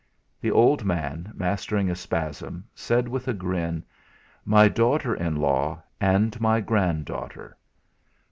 The old man, mastering a spasm, said with a grin: "My daughter in law and my granddaughter."